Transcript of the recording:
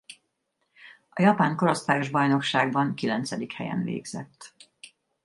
A japán korosztályos bajnokságban kilencedik helyen végzett.